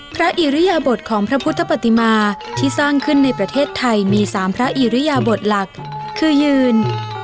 อิริยบทของพระพุทธปฏิมาที่สร้างขึ้นในประเทศไทยมี๓พระอิริยบทหลักคือยืน